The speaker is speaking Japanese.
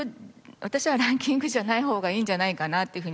私はランキングじゃないほうがいいんじゃないかなという